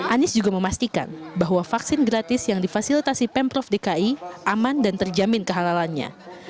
anies juga memastikan bahwa vaksin gratis yang difasilitasi pemprov dki aman dan terjamin kehalalannya